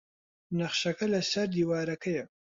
نەخشەکە لەسەر دیوارەکەیە.